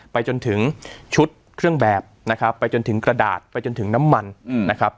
ไปจนถึงชุดเครื่องแบบนะครับไปจนถึงกระดาษไปจนถึงน้ำมันนะครับ